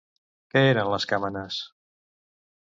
Què eren les camenes?